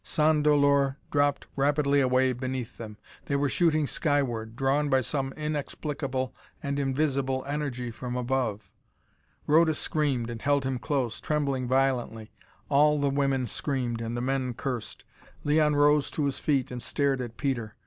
Sans Dolor dropped rapidly away beneath them. They were shooting skyward, drawn by some inexplicable and invisible energy from above. Rhoda screamed and held him close, trembling violently. All of the women screamed and the men cursed. Leon arose to his feet and stared at Peter.